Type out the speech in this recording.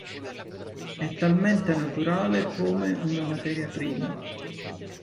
È talmente naturale come una materia prima.